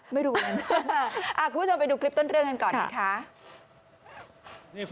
ไม่รู้เลย